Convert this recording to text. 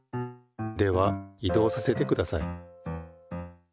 では移動させてください。